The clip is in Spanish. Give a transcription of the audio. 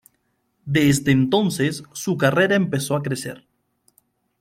Desde entonces, su carrera empezó a crecer.